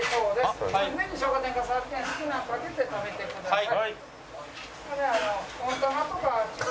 はい。